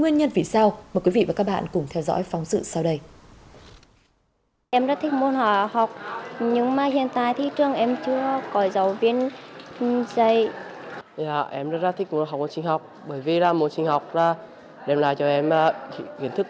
năm học hai nghìn một mươi sáu hai nghìn một mươi bảy